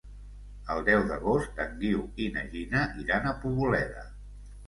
El deu d'agost en Guiu i na Gina iran a Poboleda.